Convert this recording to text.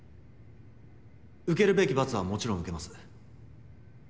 受けるべき罰はもちろん受けます。